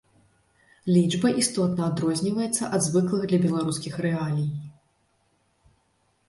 Лічба істотна адрозніваецца ад звыклых для беларускіх рэалій.